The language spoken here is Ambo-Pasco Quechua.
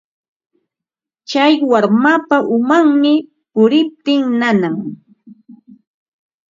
Tsay warmapa umanmi puriptin nanan.